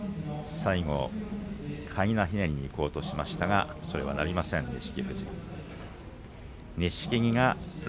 最後、かいなひねりにいこうとしましたがそれには合いませんでした。